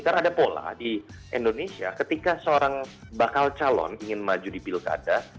karena ada pola di indonesia ketika seorang bakal calon ingin maju di pilkada